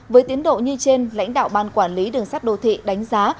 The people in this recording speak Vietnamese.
với tiến độ như trên lãnh đạo ban quản lý đường sắt đô thị đánh giá